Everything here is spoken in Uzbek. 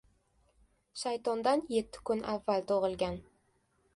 • Shaytondan yetti kun avval tug‘ilgan.